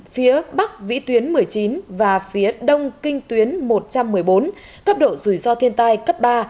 phía bắc vĩ tuyến một mươi chín và phía đông kinh tuyến một trăm một mươi bốn cấp độ rủi ro thiên tai cấp ba